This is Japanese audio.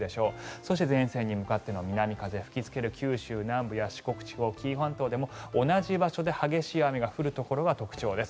そして前線に向かって南風が吹きつける九州南部や四国地方紀伊半島でも同じ場所で激しい雨が降るところが特徴です。